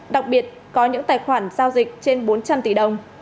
đặc biệt có những tài khoản giao dịch trên bốn trăm linh tỷ đồng